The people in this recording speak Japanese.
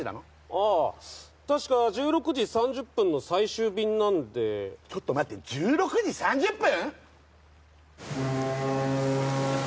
ああ確か１６時３０分の最終便なんでちょっと待って１６時３０分？